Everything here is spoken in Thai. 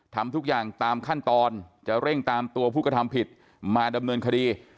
ทำทุกอย่างตามขั้นตอนจะเร่งตามตัวผู้กระทำผิดมาดำเนินคดี